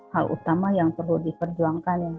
hal utama yang perlu diperjuangkan